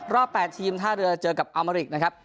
๘ทีมท่าเรือเจอกับอัลมาริกนะครับ